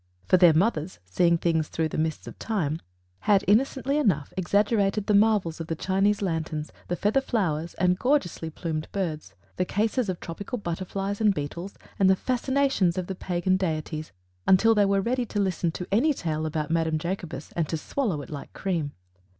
For their mothers seeing things through the mists of Time had, innocently enough, exaggerated the marvels of the Chinese lanterns, the feather flowers and gorgeously plumed birds, the cases of tropical butterflies and beetles, and the fascination of the pagan deities, until they were ready to listen to any tale about Madame Jacobus and to swallow it like cream.